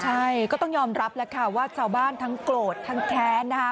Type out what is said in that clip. ใช่ก็ต้องยอมรับแล้วค่ะว่าชาวบ้านทั้งโกรธทั้งแค้นนะคะ